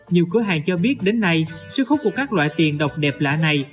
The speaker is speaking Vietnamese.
nhiều cửa hàng cho biết đến nay sức hút của các loại tiền độc đẹp lạ này